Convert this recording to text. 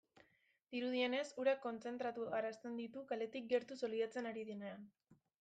Dirudienez urak kontzentratu arazten ditu azaletik gertu solidotzen ari denean.